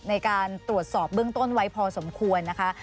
ในการตรวจสอบเบื้องต้นไว้พอสมควรนะคะ